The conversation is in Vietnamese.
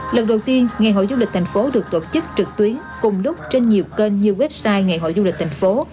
lần đầu tiên ngày hội du lịch thành phố được tổ chức trực tuyến cùng lúc trên nhiều kênh như website ngày hội du lịch thành phố